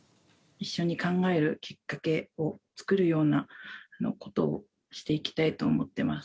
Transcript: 一緒に考えるきっかけを作るようなことをしていきたいと思ってます。